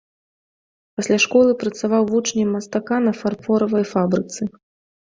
Пасля школы працаваў вучнем мастака на фарфоравай фабрыцы.